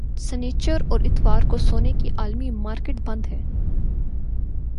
سنیچر اور اتوار کو سونے کی عالمی مارکیٹ بند ہے